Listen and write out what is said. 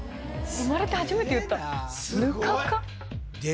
生まれて初めて言ったヌカカ？